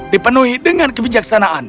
dipenuhi dengan kebijaksanaan